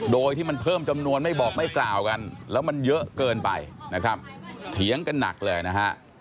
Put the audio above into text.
โดยที่มันเพิ่มจำนวนไม่บอกไม่กล่าวกันแล้วมันเยอะเกินไปนะครับเถียงกันหนักเลยนะฮะ